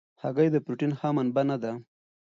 هګۍ د پروټین ښه منبع نه ده.